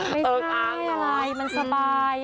ไม่ใส่อะไรมันสบาย